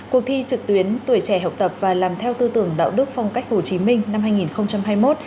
cuộc thi trực tuyến tuổi trẻ học tập và làm theo tư tưởng đạo đức phong cách hồ chí minh năm hai nghìn hai mươi một